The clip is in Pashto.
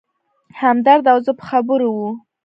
همدرد او زه په خبرو و.